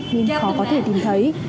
nhưng khó có thể tìm thấy